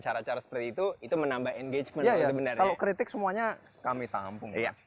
cara cara seperti itu itu menambah engagement bener bener kritik semuanya kami tampung ya